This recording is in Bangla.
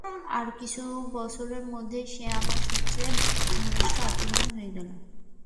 আর কিছু বছরের মধ্যে সে আমার সবচেয়ে ঘনিষ্ঠ আপনজন হয়ে গেলো।